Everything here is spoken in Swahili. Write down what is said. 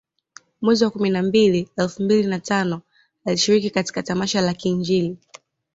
Mwezi wa kumi na mbili elfu mbili na tano alishiriki katika tamasha la kiinjili